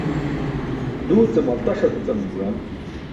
Duu ce maltaṣ atucanum juwan